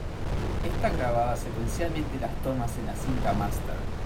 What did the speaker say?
Esta grababa secuencialmente las tomas en la cinta master.